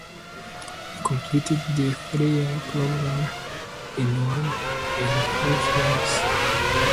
He completed the three-year program in one and a half years.